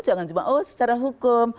jangan cuma secara hukum